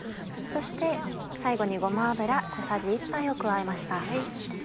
そして最後にごま油小さじ１杯を加えました。